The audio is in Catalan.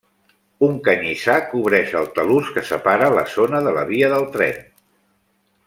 Un canyissar cobreix el talús que separa la zona de la via del tren.